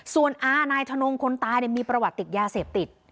ส่วนอานายทนงคนตายมีประวัติติดยาเสพติด